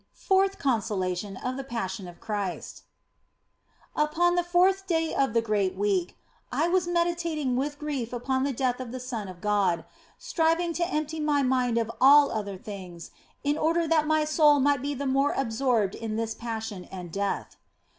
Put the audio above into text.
FOURTH CONSOLATION OF THE PASSION OF CHRIST UPON the fourth day of the great week I was meditating with grief upon the death of the Son of God, striving to empty my mind of all other things in order that my soul might be the more absorbed in this Passion and Death.